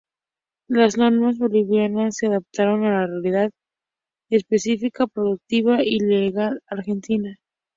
Las normas bolivianas se adaptaron a la realidad específica productiva y legal argentina.